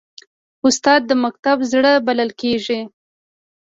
استاد د مکتب زړه بلل کېږي.